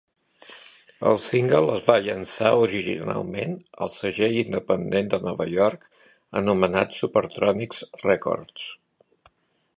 El single es va llançar originalment al segell independent de Nova York anomenat Supertronics Records.